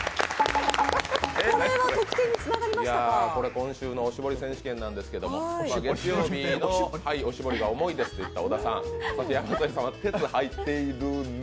今週のおしぼり選手権ですけど、月曜日のはい、おしぼりが重いですといった小田さん。